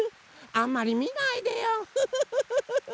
あんまりみないでよフフフフフ！